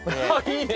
いいね。